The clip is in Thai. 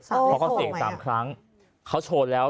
นี่เขาเสี่ยงตามคล้ำเขาโชว์แล้ว